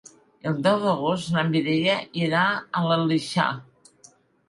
El deu d'agost na Mireia irà a l'Aleixar.